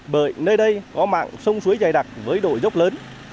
bởi nơi đây có mạng sông suối dày đặc với đội dốc lớn